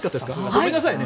ごめんなさいね。